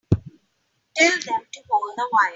Tell them to hold the wire.